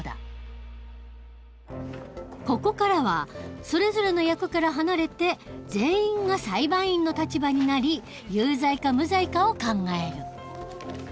ここからはそれぞれの役から離れて全員が裁判員の立場になり有罪か無罪かを考える。